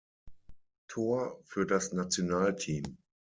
Tor für das Nationalteam.